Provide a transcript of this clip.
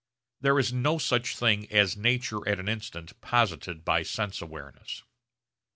There is no such thing as nature at an instant posited by sense awareness.